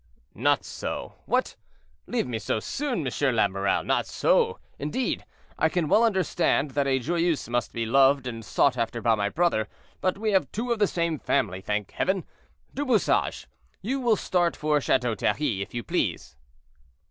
"Not so; what! leave me so soon, Monsieur l'Amiral? not so, indeed. I can well understand that a Joyeuse must be loved and sought after by my brother, but we have two of the same family, thank Heaven. Du Bouchage, you will start for Chateau Thierry, if you please."